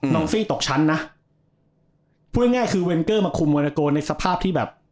อฟฟี่ตกชั้นนะพูดง่ายคือเวนเกอร์มาคุมโมนาโกในสภาพที่แบบ